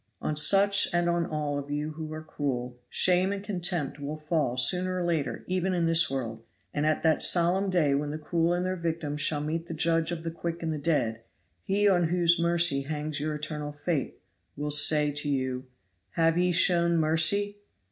On such and on all of you who are cruel, shame and contempt will fall sooner or later even in this world, and at that solemn day when the cruel and their victims shall meet the Judge of the quick and the dead, He on whose mercy hangs your eternal fate will say to you, 'Have ye shown mercy?'